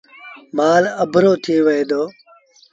مآل اَڀرو ٿئي وهي دو۔